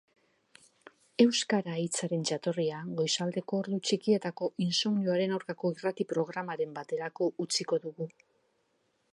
Euskara hitzaren jatorria goizaldeko ordu txikietako insomnioaren aurkako irrati-programaren baterako utziko dugu.